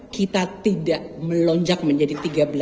kita tidak melonjak menjadi tiga belas